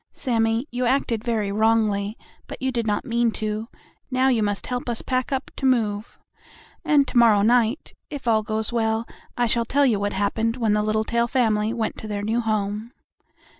Sammie, you acted very wrongly, but you did not mean to. Now, you must help us pack up to move." And to morrow night, if all goes well, I shall tell you what happened when the Littletail family went to their new home.